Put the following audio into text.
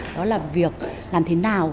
đó là việc làm thế nào